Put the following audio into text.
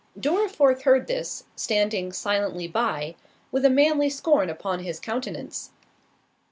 Dorriforth heard this, standing silently by, with a manly scorn upon his countenance.